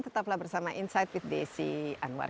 tetaplah bersama insight with desi anwar